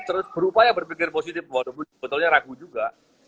terus berupaya berpikir positif walaupun sebetulnya ragu juga